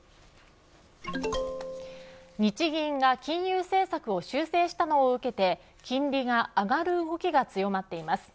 日銀が金融政策を修正したのを受けて金利が上がる動きが強まっています。